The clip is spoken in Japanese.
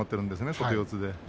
外四つで。